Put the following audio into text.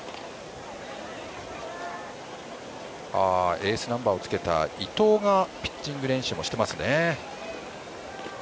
エースナンバーをつけた伊藤がピッチング練習もしていますね。